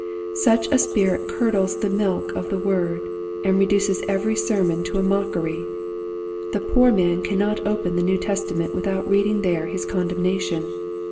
Such a spirit curdles the milk of the word, and reduces every sermon to a mockery. The poor man cannot open the New Testament without reading there his condemnation.